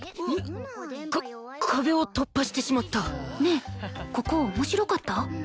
か壁を突破してしまったねえここ面白かった？